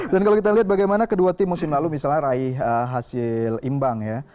dan kalau kita lihat bagaimana kedua tim musim lalu misalnya raih hasil imbang ya